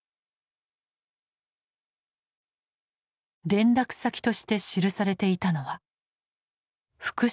連絡先として記されていたのは福祉事務所。